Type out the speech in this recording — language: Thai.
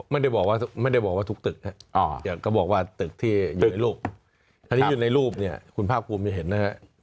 ไม่ได้บอกว่าทุกตึกนะครับก็บอกว่าตึกที่อยู่ในรูปถ้าที่อยู่ในรูปเนี่ยคุณภาพคุมจะเห็นนะครับ